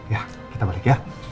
ya kita balik ya